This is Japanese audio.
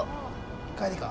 帰りか。